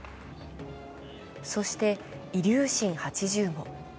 そしてイリューシン８０も。